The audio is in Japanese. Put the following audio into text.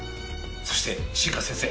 そして新川先生